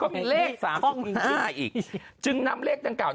ก็เป็นเลข๓๕อีกจึงนำเลขลั้นเก่า